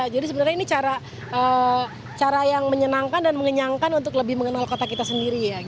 jadi sebenarnya ini cara yang menyenangkan dan mengenyangkan untuk lebih mengenal kota kita sendiri